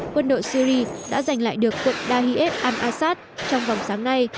quân đội syri đã giành lại được quận dahiyyat al assad trong vòng sáng nay